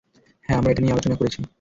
হ্যাঁ, আমরা এটা নিয়ে আলোচনা করেছি।